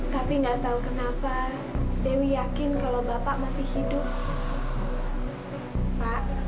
tapi nggak tahu kenapa dewi yakin kalau bapak masih hidup pak